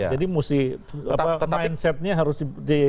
jadi musti mindset nya harus dihargai